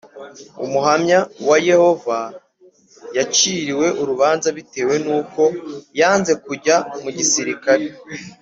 Umuhamya wa Yehova yaciriwe urubanza bitewe n’uko yanze kujya mu gisirikare